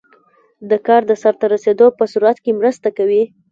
د کار د سرته رسیدو په سرعت کې مرسته کوي.